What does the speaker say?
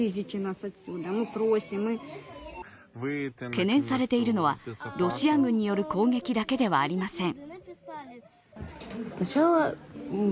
懸念されているのはロシア軍による攻撃だけではありません。